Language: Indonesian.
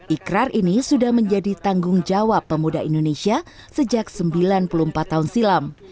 ikrar ini sudah menjadi tanggung jawab pemuda indonesia sejak sembilan puluh empat tahun silam